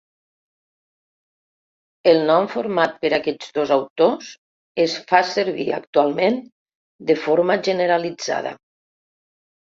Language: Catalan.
El nom, format per aquests dos autors, es fa servir actualment de forma generalitzada.